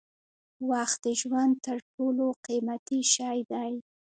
وخت د ژوند تر ټولو قیمتي شی دی.